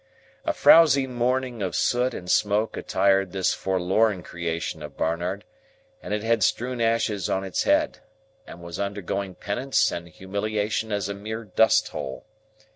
A frowzy mourning of soot and smoke attired this forlorn creation of Barnard, and it had strewn ashes on its head, and was undergoing penance and humiliation as a mere dust hole.